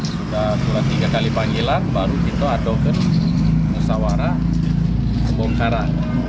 sudah tiga kali panggilan baru kita adukin nesawara pembongkara